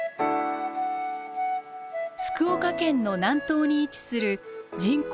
福岡県の南東に位置する人口